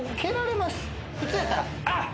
普通やったらあっ！